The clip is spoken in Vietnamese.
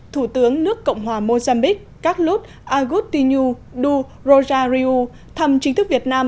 thủ tướng nước cộng hòa mozambique các lút agustinu du rojariu thăm chính thức việt nam